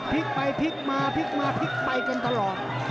พลิกไปพลิกมาพลิกมาพลิกไปกันตลอด